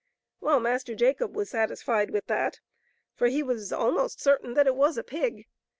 Well, Master Jacob was satisfied with that, for he was almost certain that it was a pig.